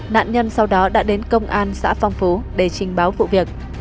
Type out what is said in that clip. nạn nhân sau đó đã đến công an xã phong phú để trình báo vụ việc